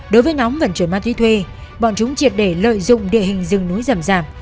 đối với nhóm vận chuyển ma túy thuê bọn chúng triệt để lợi dụng địa hình rừng núi rầm giảm